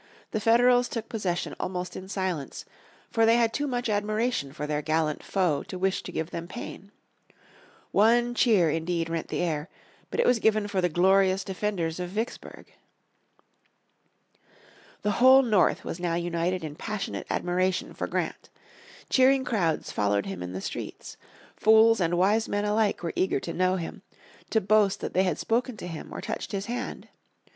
The Federals took possession almost in silence, for they had too much admiration for their gallant foe to wish to give them pain. One cheer indeed rent the air, but it was given for the glorious defenders of Vicksburg. The whole North was now united in passionate admiration for Grant. Cheering crowds followed him in the streets. Fools and wise men alike were eager to know him, to boast that they had spoken to him or touched his hand.